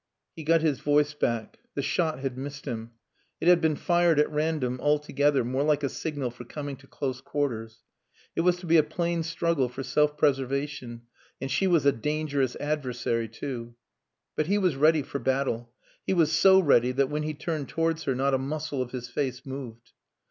He got his voice back. The shot had missed him. It had been fired at random, altogether, more like a signal for coming to close quarters. It was to be a plain struggle for self preservation. And she was a dangerous adversary too. But he was ready for battle; he was so ready that when he turned towards her not a muscle of his face moved.